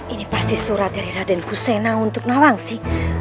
ini pasti surat dari raden fusena untuk nawangsi